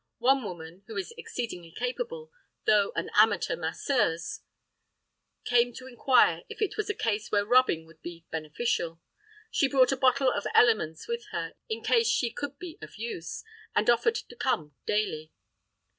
One woman, who is exceedingly capable, though an amateur masseuse, came to inquire if it was a case where rubbing would be beneficial. She brought a bottle of Elliman's with her, in case she could be of use, and offered to come daily.